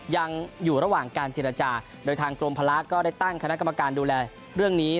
ยังอยู่ระหว่างการเจรจาโดยทางกรมภาระก็ได้ตั้งคณะกรรมการดูแลเรื่องนี้